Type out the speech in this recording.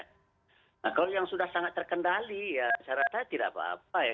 nah kalau yang sudah sangat terkendali ya saya rasa tidak apa apa ya